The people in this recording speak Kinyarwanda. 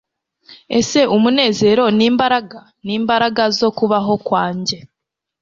ese umunezero n'imbaraga nimbaraga zo kubaho kwanjye